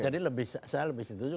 jadi saya lebih setuju